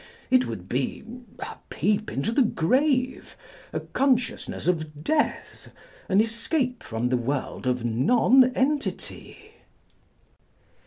It would be a peep into the grave, a consciousness of death, an escape from the world of nonentity